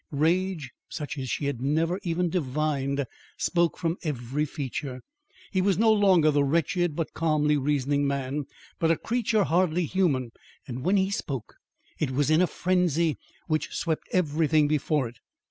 Rage, such as she had never even divined spoke from every feature. He was no longer the wretched but calmly reasoning man, but a creature hardly human, and when he spoke, it was in a frenzy which swept everything before it.